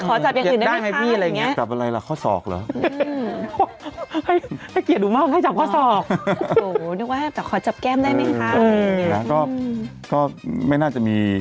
โอ๊ค่ะขอจับอย่างอื่นได้ไหมคะอย่างนี้โอ๊ยอุ๊ยได้ไหมพี่